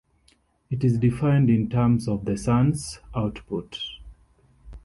It is defined in terms of the Sun's output.